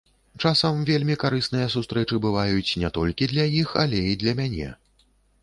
Часам вельмі карысныя сустрэчы бываюць не толькі для іх, але і для мяне.